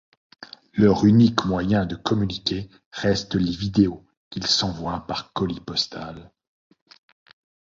Leur unique moyen de communiquer reste les vidéos qu'ils s'envoient par colis postal.